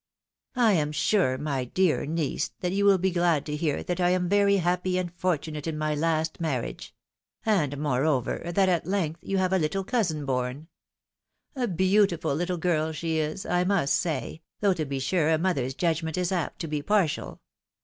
*' I am sure, my dear niece, that you will be glad to hear that I am very happy and fortunate in my last marriage ; and, moreover, that at length you have a httle cousiu born. A beau tiful little girl she is, I must say, though to be sure a mother's judgment is apt to be partial.